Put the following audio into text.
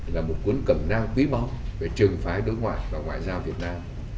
là một cuốn cầm năng quý mong về trừng phái đối ngoại và ngoại giao việt nam